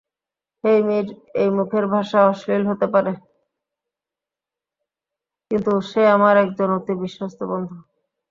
হেইমির-এর মুখের ভাষা অশ্লীল হতে পারে, কিন্তু সে আমার একজন অতি-বিশ্বস্ত বন্ধু।